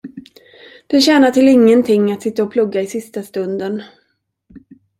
Det tjänar till ingenting att sitta och plugga i sista stunden.